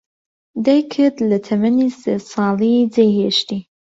دایکت لە تەمەنی سێ ساڵی جێی هێشتی.